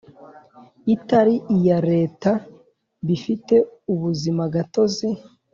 itari iya Leta bifite ubuzimagatozi